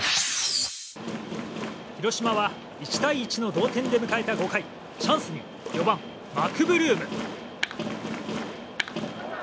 広島は１対１の同点で迎えた５回チャンスに４番、マクブルーム。